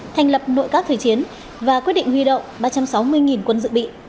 thành lập nội các thời chiến và quyết định huy động ba trăm sáu mươi quân dự bị